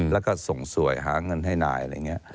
แล้วก็ส่งสวยหาเงินให้นายอะไรอย่างนี้